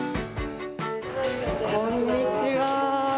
こんにちは。